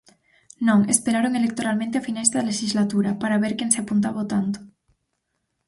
Non, esperaron electoralmente a finais de lexislatura, para ver quen se apuntaba o tanto.